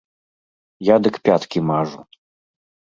Я дык пяткі мажу.